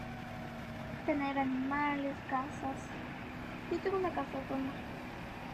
El templo original no se conserva.